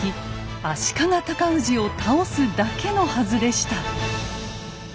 ・足利尊氏を倒すだけのはずでした。